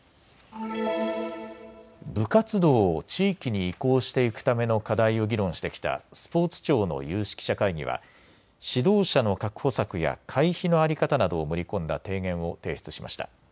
部活動を地域に移行していくための課題を議論してきたスポーツ庁の有識者会議は指導者の確保策や会費の在り方などを盛り込んだ提言を提出しました。